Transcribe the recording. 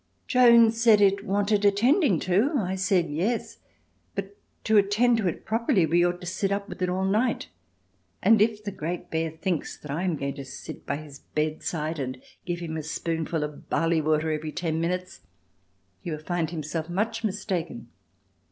Jones said it wanted attending to. I said: "Yes, but to attend to it properly we ought to sit up with it all night, and if the Great Bear thinks that I am going to sit by his bed side and give him a spoonful of barley water every ten minutes, he will find himself much mistaken."